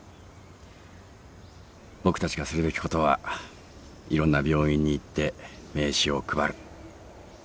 僕たちがするべきことはいろんな病院に行って名刺を配る。